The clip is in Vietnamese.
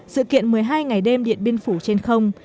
sự kiện một mươi hai ngày đêm điện biên phủ trên không